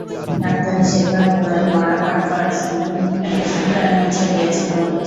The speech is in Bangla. ডাক্তারি শেখবার গোড়ায় মড়া কাটবার সময় ঘৃণায় প্রায় মূর্ছা গিয়েছিলুম।